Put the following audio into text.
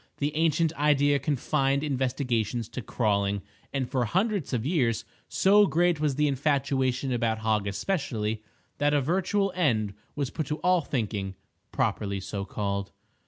The ancient idea confined investigations to crawling; and for hundreds of years so great was the infatuation about Hog especially, that a virtual end was put to all thinking, properly so called.